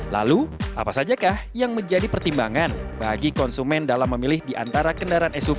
lalu apa saja yang menjadi pertimbangan bagi konsumen dalam memilih diantara kendaraan suv atau mpv